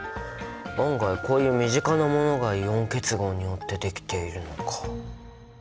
案外こういう身近なものがイオン結合によってできているのか。